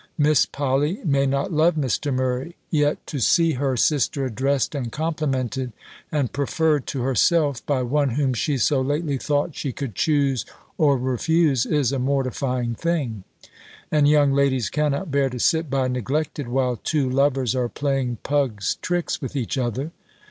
Miss Polly may not love Mr. Murray; yet, to see her sister addressed and complimented, and preferred to herself, by one whom she so lately thought she could choose or refuse, is a mortifying thing. And young ladies cannot bear to sit by neglected, while two lovers are playing pug's tricks with each other.